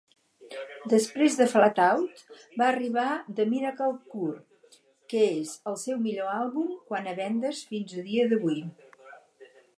Després de "Flatout", va arribar "The Miracle Cure", que és el seu millor àlbum quant a vendes fins a dia d'avui.